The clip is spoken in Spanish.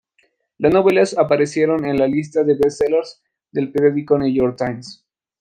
Las novelas aparecieron en la lista de Best Sellers del periódico New York Times.